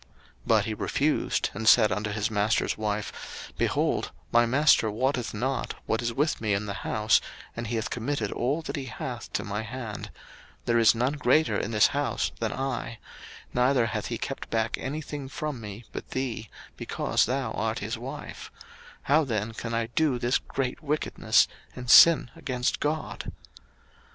01:039:008 But he refused, and said unto his master's wife, Behold, my master wotteth not what is with me in the house, and he hath committed all that he hath to my hand; 01:039:009 There is none greater in this house than I; neither hath he kept back any thing from me but thee, because thou art his wife: how then can I do this great wickedness, and sin against God?